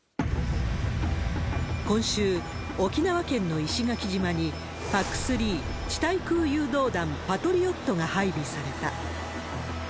今週、沖縄県の石垣島に、ＰＡＣ３・地対空誘導弾パトリオットが配備された。